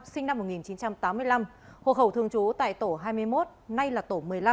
sinh năm một nghìn chín trăm tám mươi năm hộ khẩu thường trú tại tổ hai mươi một nay là tổ một mươi năm